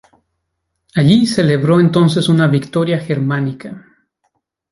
Allí celebró entonces una "Victoria Germanica".